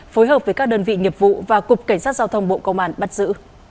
phối hợp với các đơn vị nghiệp vụ và cục cảnh sát giao thông bộ công an bắt giữ